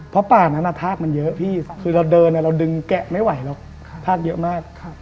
เพราะป่านั้นทากมันเยอะพี่คือเราเดินเราดึงแกะไม่ไหวหรอกทากเยอะมาก